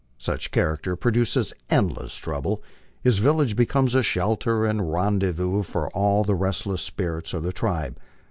Such a character produces endless trou ble; his village becomes a shelter and rendezvous for all the restless spirits of the tribe.